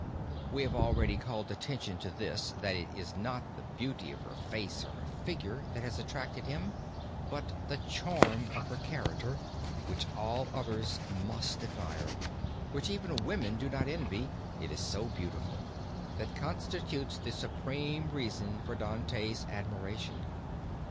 We have already called attention to this, that it is not the beauty of her face or her figure that has attracted him, but the charm of her character, which all others must admire which even women do not envy, it is so beautiful that constitutes the supreme reason for Dante's admiration.